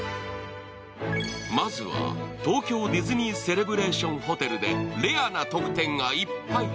まずは東京ディズニーセレブレーションホテルでレアな特典がいっぱい。